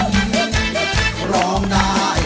แม่นก็ได้